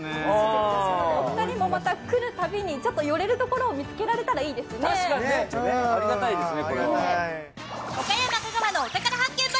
お二人もまた来る度に寄れるところを見つけられたらいいですね。